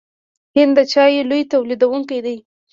هند د چایو لوی تولیدونکی دی.